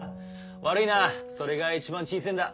悪いなそれが一番小せえんだ。